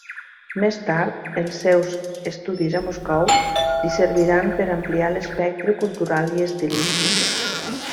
Més tard, els seus estudis a Moscou li serviran per ampliar l'espectre cultural i estilístic.